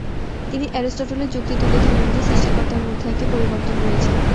তিনি অ্যারিস্টটলের যুক্তি তুলে ধরেন যে, সৃষ্টিকর্তার মধ্যে একটি পরিবর্তন রয়েছে।